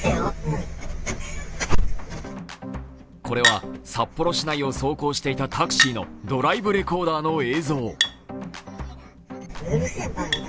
これは札幌市内を走行していたタクシーのドライブレコーダーの映像。